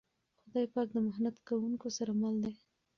خدای پاک د محنت کونکو سره مل دی.